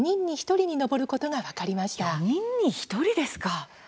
４人に１人ですか。